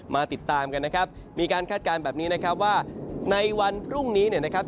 มาติดตามกันนะครับมีการคาดการณ์แบบนี้นะครับว่าในวันพรุ่งนี้เนี่ยนะครับ